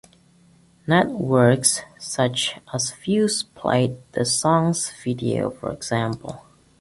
Networks such as Fuse played the song's video, for example.